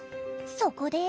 そこで。